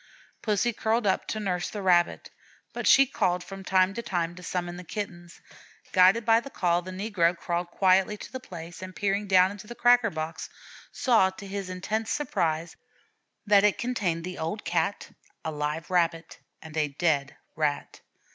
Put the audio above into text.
Pussy curled up to nurse the Rabbit, but she called from time to time to summon the Kittens. Guided by that call, the negro crawled quietly to the place, and peering down into the cracker box, saw, to his intense surprise, that it contained the old Cat, a live Rabbit, and a dead Rat.